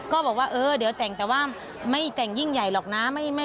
ก็บอกว่าเออเดี๋ยวแต่งแต่ว่าไม่แต่งยิ่งใหญ่หรอกนะ